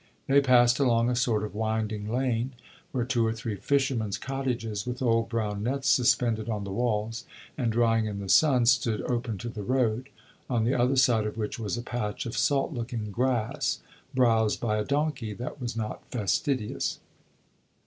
They passed along a sort of winding lane, where two or three fishermen's cottages, with old brown nets suspended on the walls and drying in the sun, stood open to the road, on the other side of which was a patch of salt looking grass, browsed by a donkey that was not fastidious.